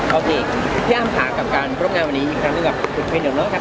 อ้อโหพี่อำหากับการพบงานวันนี้มีความรู้จักกับพวกคุณอ๋อ